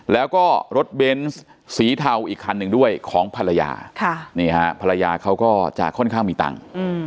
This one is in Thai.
แล้วก็รถเบนส์สีเทาอีกคันหนึ่งด้วยของภรรยานี่ฮะภรรยาเขาก็จะค่อนข้างมีตังค์